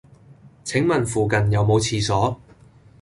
請問附近有無廁所